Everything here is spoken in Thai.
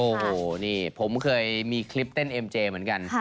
โอ้โหนี่ผมเคยมีคลิปเต้นเอ็มเจเหมือนกัน